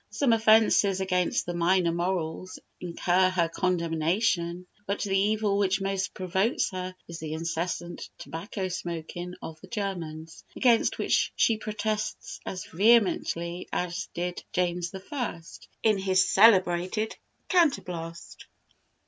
Some offences against the "minor morals" incur her condemnation; but the evil which most provokes her is the incessant tobacco smoking of the Germans, against which she protests as vehemently as did James I. in his celebrated "Counterblast."